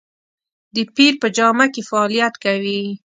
د پیر په جامه کې فعالیت کوي.